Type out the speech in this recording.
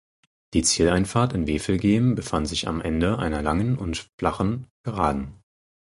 Die Zieleinfahrt in Wevelgem befand sich am Ende einer langen und flachen Geraden.